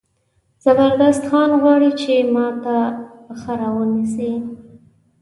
زبردست خان غواړي چې ما ته پښه را ونیسي.